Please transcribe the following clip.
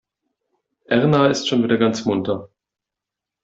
Erna ist schon wieder ganz munter.